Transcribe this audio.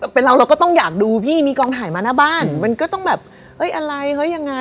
เป็นเราเราก็ต้องอยากดูมีกองถ่ายมาหน้าบ้าน